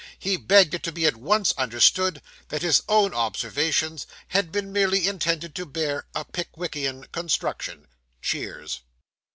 He begged it to be at once understood, that his own observations had been merely intended to bear a Pickwickian construction. (Cheers.)